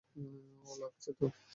ওহ, লাগছে তো।